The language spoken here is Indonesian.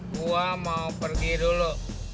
gua mau pergi dulu